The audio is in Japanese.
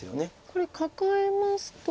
これカカえますと。